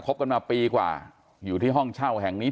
บกันมาปีกว่าอยู่ที่ห้องเช่าแห่งนี้